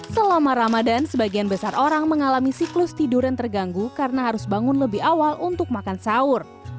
selama ramadan sebagian besar orang mengalami siklus tidur yang terganggu karena harus bangun lebih awal untuk makan sahur